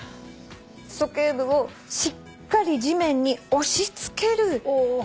鼠径部をしっかり地面に押しつけるイメージで。